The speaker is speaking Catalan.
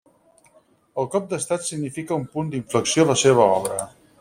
El cop d'estat significa un punt d'inflexió a la seva obra.